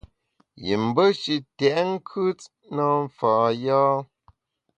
Yim be shi tèt nkùt na mfa yâ.